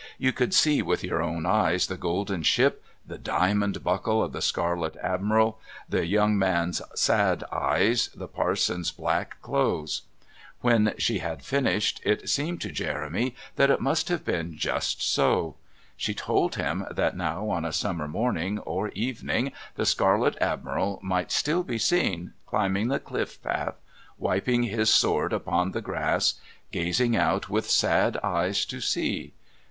You could see with your own eyes the golden ship, the diamond buckles of the Scarlet Admiral, the young man's sad eyes, the parson's black clothes. When she had finished it seemed to Jeremy that it must have been just so. She told him that now on a summer morning or evening the Scarlet Admiral might still be seen, climbing the cliff path, wiping his sword upon the grass, gazing out with sad eyes to sea.